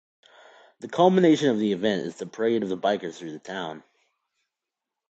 The culmination of the event is the parade of the bikers through the town.